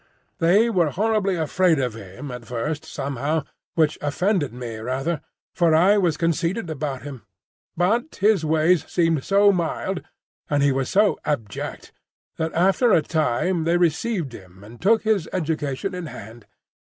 "They were horribly afraid of him at first, somehow,—which offended me rather, for I was conceited about him; but his ways seemed so mild, and he was so abject, that after a time they received him and took his education in hand.